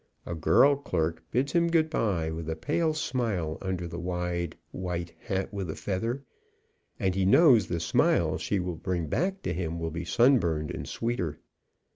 A girl clerk bids him goodby with a pale smile under the wide white hat with a feather, and he knows the smile she brings back to him will be sunburned and sweeter.